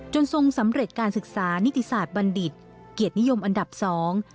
ทรงสำเร็จการศึกษานิติศาสตร์บัณฑิตเกียรตินิยมอันดับสอง